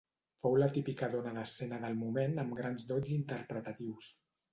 Fou la típica dona d'escena del moment amb grans dots interpretatius.